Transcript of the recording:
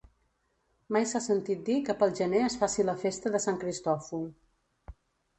Mai s'ha sentit dir que pel gener es faci la festa de Sant Cristòfol.